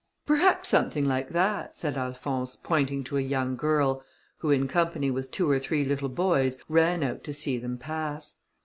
"Perhaps something like that," said Alphonse, pointing to a young girl, who, in company with two or three little boys, ran out to see them pass.